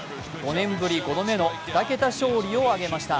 ５年ぶり５度目の２桁勝利を挙げました。